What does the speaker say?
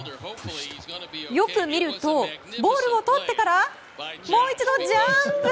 よく見ると、ボールをとってからもう一度ジャンプ。